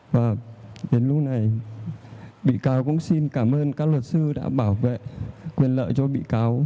và đến lúc này bị cáo cũng xin cảm ơn các luật sư đã bảo vệ quyền lợi cho bị cáo